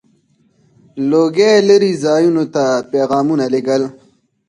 • لوګی لرې ځایونو ته پيغامونه لیږل.